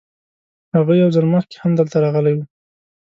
هغه یو ځل مخکې هم دلته راغلی و.